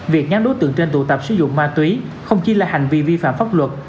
việc nhóm đối tượng trên tụ tập sử dụng ma túy không chỉ là hành vi vi phạm pháp luật